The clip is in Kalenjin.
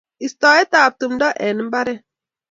istaetap tumto eng imbaret